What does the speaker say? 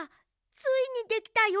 ついにできたよ